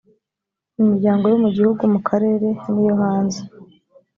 imiryango yo mu gihugu mu karere n iyo hanze